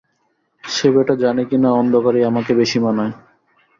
সে বেটা জানে কিনা অন্ধকারেই আমাকে বেশি মানায়।